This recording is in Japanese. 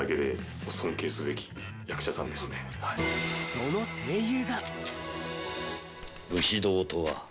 その声優が。